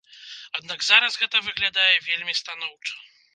Аднак зараз гэта выглядае вельмі станоўча.